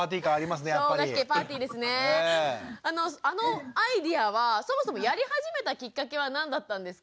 あのアイデアはそもそもやり始めたきっかけは何だったんですか？